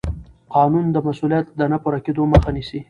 قانون د مسوولیت د نه پوره کېدو مخه نیسي.